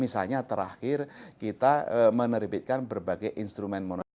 misalnya terakhir kita menerbitkan berbagai instrumen moneter